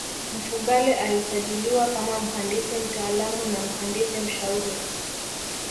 Mfugale alisajiliwa kama mhandisi mtaalamu na mhandisi mshauri